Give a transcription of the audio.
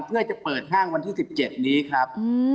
เพื่อจะเปิดห้างวันที่๑๗นี้ครับ